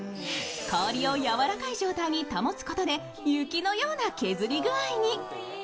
氷をやわらかい状態に保つことで雪のような削り具合に。